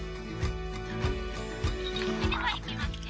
・ではいきますね。